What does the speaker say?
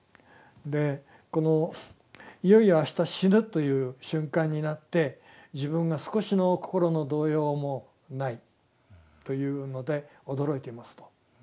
でこのいよいよあした死ぬという瞬間になって自分が少しのこころの動揺もないというので驚いていますと。